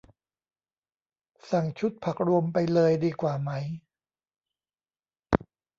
สั่งชุดผักรวมไปเลยดีกว่าไหม